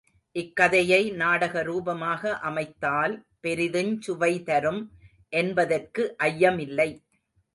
இக் கதையை நாடக ரூபமாக அமைத்தால் பெரிதுஞ் சுவைதரும் என்பதற்கு ஐயமில்லை.